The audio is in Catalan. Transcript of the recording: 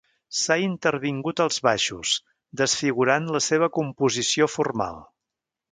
S'ha intervingut als baixos, desfigurant la seva composició formal.